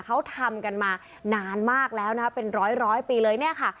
เขาทำกันมานานมากแล้วนะเป็นร้อยปีเลยเนี่ยค่ะ